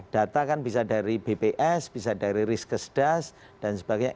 data kan bisa dari bps bisa dari riskesdas dan sebagainya